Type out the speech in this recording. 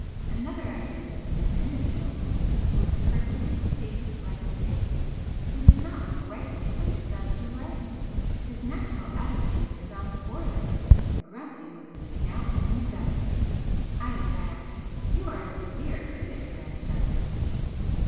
Another I noticed a minute ago with a perfectly pig like face, he does not look rightly placed on two legs, his natural attitude is on four legs, grunting with his snout in the gutter!" I laughed. "You are a severe critic, Francesca!"